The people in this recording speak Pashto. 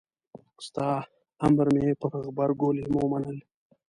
ستا امر مې پر غبرګو لېمو منل.